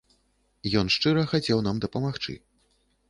Ён шчыра хацеў нам дапамагчы.